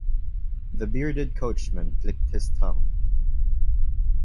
The bearded coachman clicked his tongue.